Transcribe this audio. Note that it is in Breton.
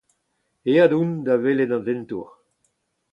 Aet on da welet an dentour.